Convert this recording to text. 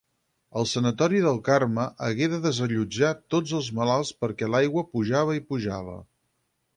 El Sanatori del Carme hagué de desallotjar tots els malalts perquè l'aigua pujava i pujava.